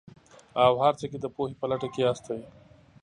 او هر څه کې د پوهې په لټه کې ياستئ.